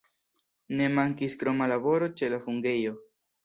Ne mankis kroma laboro ĉe la fungejo.